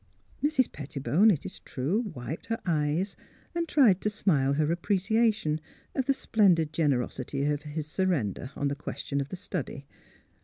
Mrs. Pettibone, it is true, wiped her eyes and tried to smile her appreciation of the splendid generosity of his surrender on the question of the study.